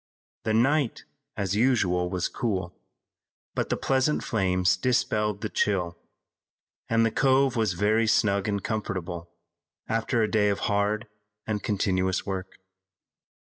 The night, as usual, was cool, but the pleasant flames dispelled the chill, and the cove was very snug and comfortable after a day of hard and continuous work.